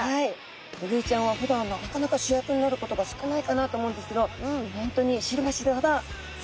ウグイちゃんはふだんなかなか主役になることが少ないかなと思うんですけど本当に知れば知るほどすてきなお魚ですね。